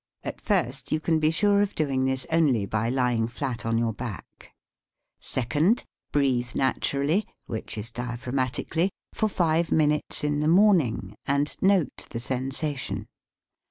(At first you can be sure of doing this only by lying flat on your back.) Second. Breathe naturally, which is dia phragmatically, for five minutes in the morn ing, and note the sensation.